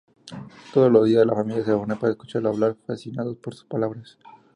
Todos los días, la familia se reúne para escucharlo hablar, fascinados por sus palabras.